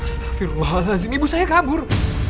astagfirullahaladzim ibu saya kabur